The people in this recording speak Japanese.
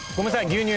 牛乳。